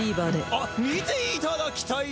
あっ見ていただきたい！